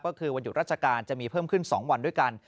ก็คือวันหยุดราชการจะมีเพิ่มขึ้น๒วันด้วยกัน